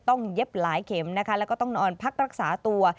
เย็บหลายเข็มนะคะแล้วก็ต้องนอนพักรักษาตัว